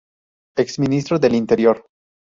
Ex Ministro del Interior.